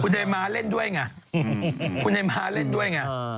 คุณใดมระเล่นด้วยอ่ะคุณใดมระเล่นด้วยอ่ะ